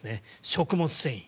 食物繊維。